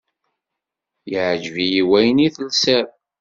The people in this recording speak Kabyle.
Yeɛǧeb-iyi wayen i telsiḍ.